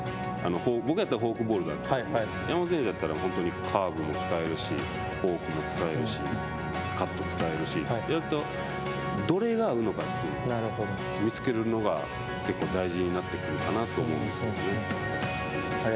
僕やったらフォークボールだったんで山本選手だったら本当にカーブも使えるし、フォークも使えるしカット使えるし、どれが合うのかというのを見つけるのが結構大事になってくるかなと思うんですけどね。